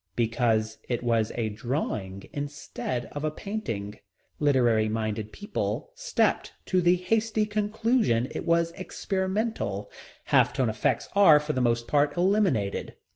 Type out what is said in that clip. Because it was drawing instead of painting, literary minded people stepped to the hasty conclusion it was experimental. Half tone effects are, for the most part, eliminated.